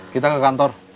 kita ke kantor